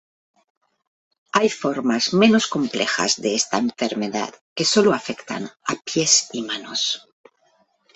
Hay formas menos complejas de esta enfermedad que solo afectan a pies y manos.